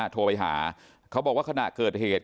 โทรไปหาเขาบอกว่าขณะเกิดเหตุ